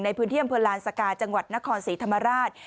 ในพื้นที่อำเภอลานสกาจังหวัดนครศรีธรรมราช